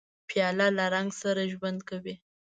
پیاله له رنګ سره ژوند کوي.